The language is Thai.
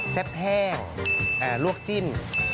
แซ่บแห้งลวกจิ้น